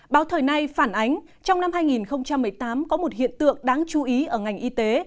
báo thời nay phản ánh trong năm hai nghìn một mươi tám có một hiện tượng đáng chú ý ở ngành y tế